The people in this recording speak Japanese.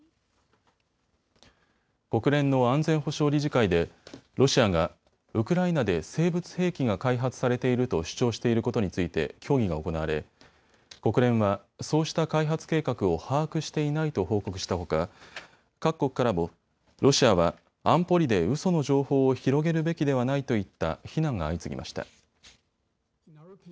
国連の安全保障理事会でロシアがウクライナで生物兵器が開発されていると主張していることについて協議が行われ、国連は、そうした開発計画を把握していないと報告したほか各国からもロシアは安保理でうその情報を広げるべきではないといった非難が相次ぎました。